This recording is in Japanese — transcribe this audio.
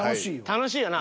楽しいよな。